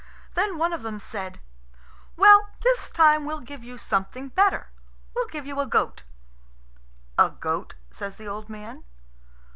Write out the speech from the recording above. Then one of them said, "Well, this time we'll give you something better. We'll give you a goat." "A goat?" says the old man.